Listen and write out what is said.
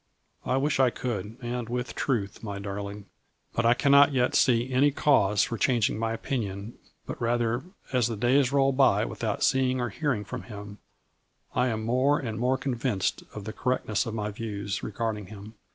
" I wish I could, and with truth, my darling, but I cannot yet see any cause for changing my opinion, but rather, as the days roll by with out seeing or hearing from him, I am more and more convinced of the correctness of my views regarding him.